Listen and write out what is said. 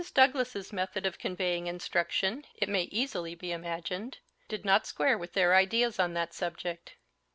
Douglas's method of conveying instruction, it may easily be imagined, did not square with their ideas on that subject.